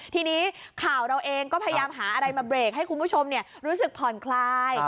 ทีนี้ข่าวเราเองก็พยายามหาอะไรมาเบรกให้คุณผู้ชมรู้สึกผ่อนคลาย